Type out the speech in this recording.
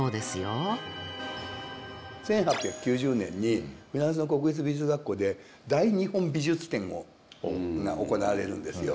１８９０年にフランスの国立美術学校で大日本美術展が行われるんですよ。